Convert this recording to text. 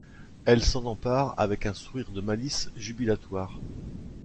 Elle s’en empare avec un sourire de malice jubilatoire.